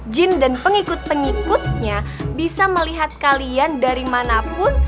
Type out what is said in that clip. jin dan pengikut pengikutnya bisa melihat kalian dari manapun